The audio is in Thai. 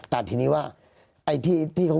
แต่ทีนี้ว่าที่เขา